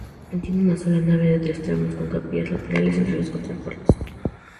Tiene una sola nave de tres tramos, con capillas laterales entre los contrafuertes.